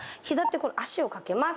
足を掛けます。